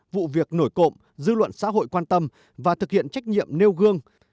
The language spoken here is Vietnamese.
vụ việc nổi cộng dư luận xã hội quan tâm và thực hiện trách nhiệm nêu gương